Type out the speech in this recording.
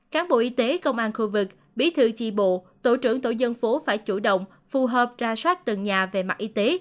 cán bộ y tế công an khu vực bí thư chi bộ tổ trưởng tổ dân phố phải chủ động phù hợp ra soát từng nhà về mặt y tế